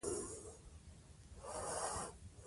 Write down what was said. موږ د خپلو اهدافو لپاره پلان جوړوو.